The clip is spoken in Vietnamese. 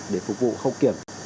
để phục vụ không kiểm